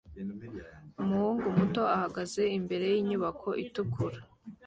Umuhungu muto ahagaze imbere yinyubako itukura